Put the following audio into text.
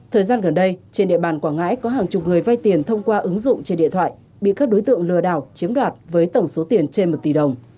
thời gian gần đây trên địa bàn quảng ngãi có hàng chục người vay tiền thông qua ứng dụng trên điện thoại bị các đối tượng lừa đảo chiếm đoạt với tổng số tiền trên một tỷ đồng